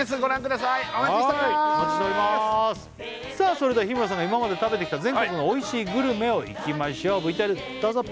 それでは日村さんが今まで食べてきた全国のおいしいグルメをいきましょうＶＴＲどうぞ！